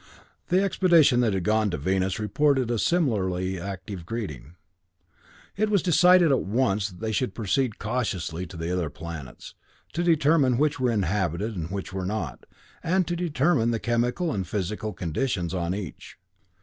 The expedition that had gone to Venus reported a similarly active greeting. It was decided at once that they should proceed cautiously to the other planets, to determine which were inhabited and which were not, and to determine the chemical and physical conditions on each.